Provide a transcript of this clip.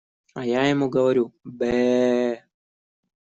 А я ему говорю: «Бэ-э!»